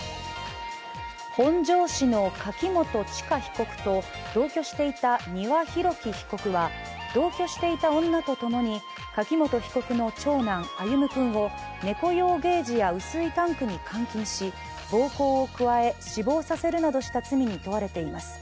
本庄市の柿本知香被告と同居してた丹羽洋樹被告は、同居していた女と共に柿本被告の長男、歩夢君を猫用ケージや雨水タンクに監禁し暴行を加え死亡させるなどした罪に問われています。